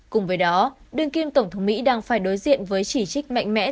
cùng với đó đương kim tổng thống mỹ đang phải đối diện với chỉ trích mạnh mẽ